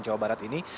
jawa barat ini